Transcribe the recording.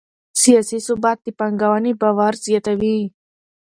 سیاسي ثبات د پانګونې باور زیاتوي